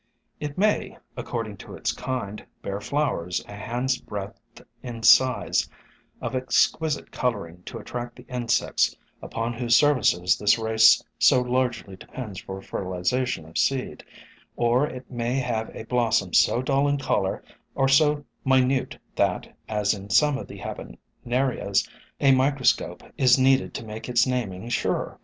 It may, ac cording to its kind, bear flowers a hand's breadth in size, of exquisite coloring to attract the insects SOME HUMBLE ORCHIDS 125 upon whose services this race so largely depends for fertilization of seed, or it may have a blos som so dull in color or so minute that, as in some of the Habenarias, a microscope is needed to make its naming sure.